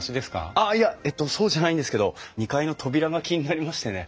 あっいやえっとそうじゃないんですけど２階の扉が気になりましてね。